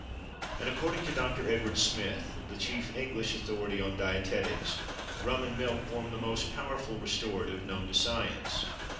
And, according to Doctor Edward Smith (the chief English authority on dietetics), rum and milk form the most powerful restorative known to science.